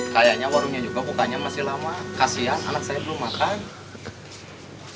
kayaknya warungnya juga bukanya masih lama kasian anak saya belum makan